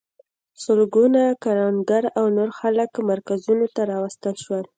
سلګونه کروندګر او نور خلک مرکزونو ته راوستل شول.